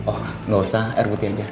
oh nggak usah air putih aja